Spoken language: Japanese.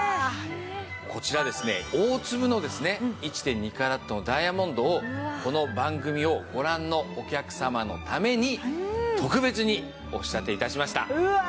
こちら大粒の１．２カラットのダイヤモンドをこの番組をご覧のお客様のために特別にお仕立て致しました。